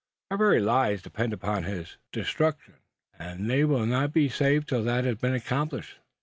Our very lives depend upon his destruction; and they will not be safe till that has been accomplished."